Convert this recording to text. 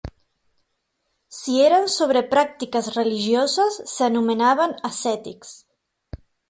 Si eren sobre pràctiques religioses, s'anomenaven ascètics.